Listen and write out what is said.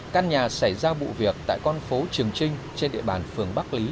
căn nhà xảy ra vụ việc tại con phố trường trinh trên địa bàn phường bắc lý